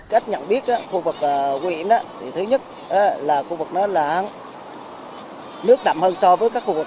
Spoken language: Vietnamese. cách nhận biết khu vực quyện thì thứ nhất là khu vực đó là nước đậm hơn so với các khu vực